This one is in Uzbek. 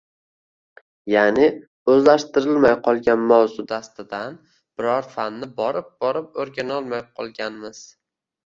Ya’ni, o‘zlashtirilmay qolgan mavzu dastidan biror fanni borib-borib o‘rganolmay qolganmiz